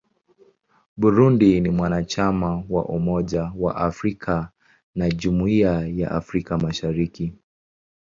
Burundi ni mwanachama wa Umoja wa Afrika na wa Jumuiya ya Afrika Mashariki.